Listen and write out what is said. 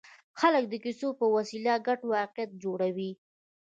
خلک د کیسو په وسیله ګډ واقعیت جوړوي.